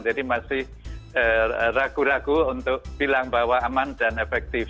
jadi masih ragu ragu untuk bilang bahwa aman dan efektif